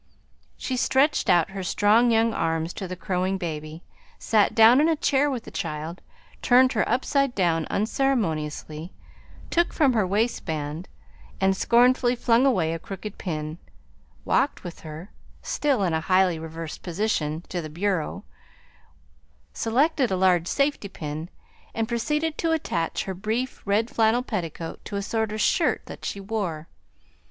She stretched out her strong young arms to the crowing baby, sat down in a chair with the child, turned her upside down unceremoniously, took from her waistband and scornfully flung away a crooked pin, walked with her (still in a highly reversed position) to the bureau, selected a large safety pin, and proceeded to attach her brief red flannel petticoat to a sort of shirt that she wore.